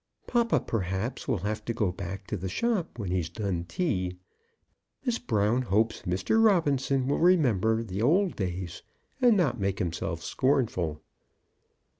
Papa, perhaps, will have to go back to the shop when he's done tea. Miss Brown hopes Mr. Robinson will remember old days, and not make himself scornful.